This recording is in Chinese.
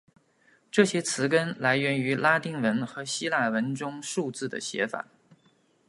这些词根来源于拉丁文和希腊文中数字的写法。